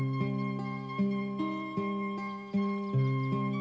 menjadi kemampuan anda